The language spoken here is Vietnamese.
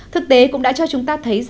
thực tế cũng đã cho chúng ta thấy